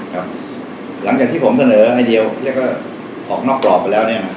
หลังจากที่ผมเสนอไอเดียวแล้วก็ออกนอกกรอบไปแล้วเนี่ย